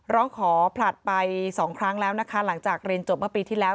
ร้องขอผลัดไปสองครั้งแล้วนะคะหลังจากเรียนจบเมื่อปีที่แล้ว